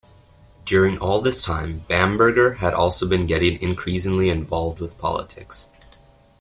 During all this time, Bamberger had also been getting increasingly involved with politics.